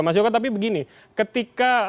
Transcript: mas yoko tapi begini ketika